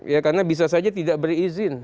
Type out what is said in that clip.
ya karena bisa saja tidak berizin